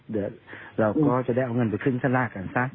เดี๋ยวเราก็จะได้เอาเงินไปขึ้นข้างหน้ากันซะ